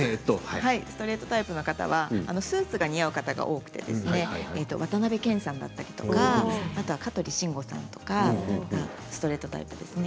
ストレートタイプの方はスーツが似合う方が多くて渡辺謙さんだったり香取慎吾さんとかストレートタイプですね。